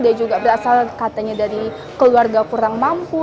dia juga berasal katanya dari keluarga kurang mampu